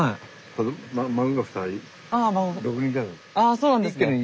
あそうなんですね。